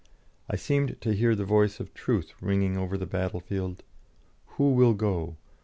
I seemed to hear the voice of Truth ringing over the battlefield: "Who will go?